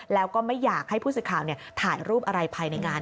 แล้วก็ไม่อยากให้ผู้สื่อข่าวถ่ายรูปอะไรภายในงาน